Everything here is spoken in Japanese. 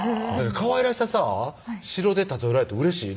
かわいらしささぁ城で例えられてうれしい？